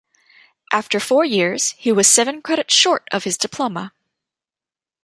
After four years, he was seven credits short of his diploma.